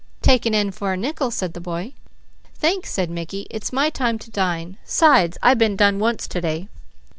"Take an end for a nickel," said the boy. "Thanks," said Mickey. "It's my time to dine. 'Sides, I been done once to day."